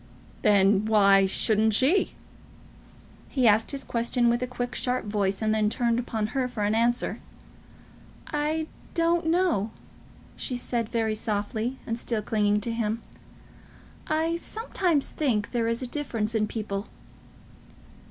"Then why shouldn't she?" He asked his question with a quick, sharp voice, and then turned upon her for an answer. "I don't know," she said, very softly, and still clinging to him. "I sometimes think there is a difference in people."